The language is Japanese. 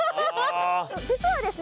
実はですね